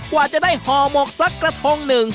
กว่าจะได้ห่อหมกสักกระทงหนึ่ง